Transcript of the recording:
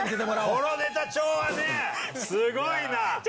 このネタ帳はね、すごいな。